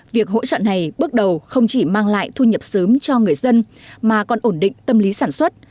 việc hỗ trợ này bước đầu không chỉ mang lại thu nhập sớm cho người dân mà còn ổn định tâm lý sản xuất